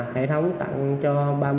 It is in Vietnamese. hệ thống tặng cho ba mươi